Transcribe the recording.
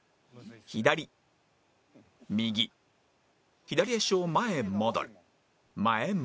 左右左足を前へ戻る前へ戻る